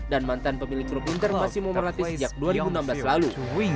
dan mantan pemilik klub inter masih momolati sejak dua ribu enam belas lalu